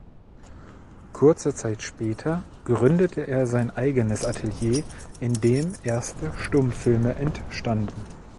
Kurze Zeit später gründete er sein eigenes Atelier, in dem erste Stummfilme entstanden.